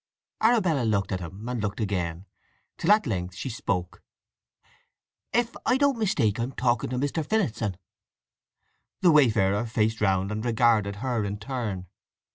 Arabella looked at him, and looked again, till at length she spoke. "If I don't mistake I am talking to Mr. Phillotson?" The wayfarer faced round and regarded her in turn.